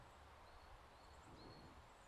Existen tres tipos de conos: Rojos, Verdes y Azules.